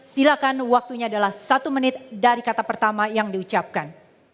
silakan waktunya adalah satu menit dari kata pertama yang diucapkan